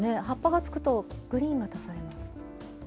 葉っぱが付くとグリーンが足されます。